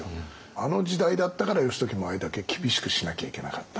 あの時代だったから義時もあれだけ厳しくしなきゃいけなかった。